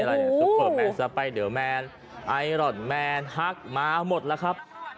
ซุปเปอร์แมนสไปเดอร์แมนไอรอนแมนฮักมาหมดแล้วครับ